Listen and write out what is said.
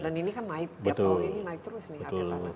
dan ini kan naik daftar ini naik terus nih harga taman